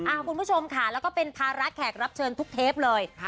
คุณผู้ชมค่ะแล้วก็เป็นภาระแขกรับเชิญทุกเทปเลย